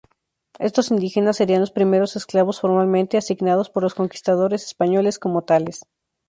Estos indígenas serían los primeros esclavos formalmente asignados por los conquistadores españoles como tales.